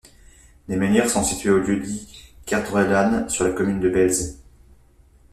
Les menhirs sont situés au lieu-dit Kerdruellan, sur la commune de Belz.